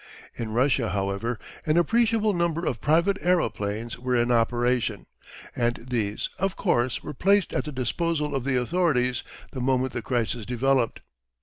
In Russia, however, an appreciable number of private aeroplanes were in operation, and these, of course, were placed at the disposal of the authorities the moment the crisis developed.